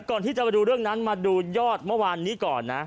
ก่อนที่จะไปดูเรื่องนั้นมาดูยอดเมื่อวานนี้ก่อนนะ